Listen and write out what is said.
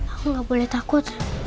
aku gak boleh takut